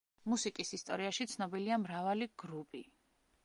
მუსიკის ისტორიაში ცნობილია მრავალი გრუპი.